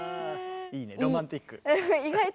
いいねロマンチック。